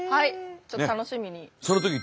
ちょっと楽しみに。